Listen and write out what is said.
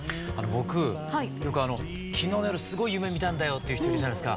僕よく「昨日の夜すごい夢見たんだよ」って言う人いるじゃないですか。